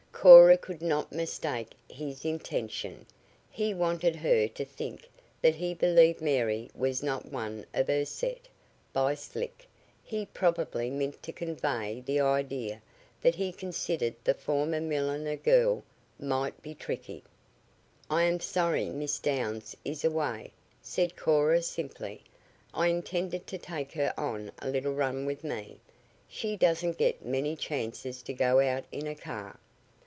Cora could not mistake his intention. He wanted her to think that he believed Mary was not one of her set. By "slick" he probably meant to convey the idea that he considered the former milliner girl might be tricky. "I am sorry Miss Downs is away," said Cora simply. "I intended to take her on a little run with me. She doesn't get many chances to go out in a car."